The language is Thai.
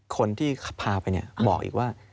คนที่พาไปเนี่ยบอกอีกว่า